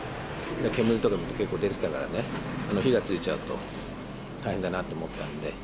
煙とかも結構出てたからね、火がついちゃうと大変だなと思ったんで。